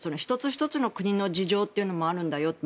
１つ１つの国の事情っていうのもあるんだよって。